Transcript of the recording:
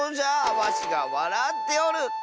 わしがわらっておる！